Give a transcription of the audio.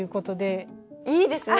いいですね。